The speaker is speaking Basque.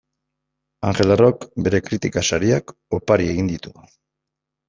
Angel Errok bere kritika sariak opari egin ditu.